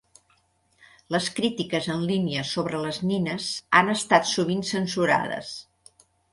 Les crítiques en línia sobre les nines han estat sovint censurades.